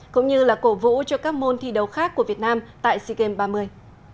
cũng như là cổ vũ cho các môn thi đấu khác của việt nam tại sea games ba mươi